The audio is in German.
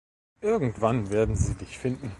Irgendwann werden sie dich finden.